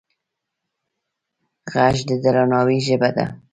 غږ د درناوي ژبه ده